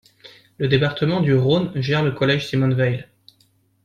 Le département du Rhône gère le collège Simone-Veil.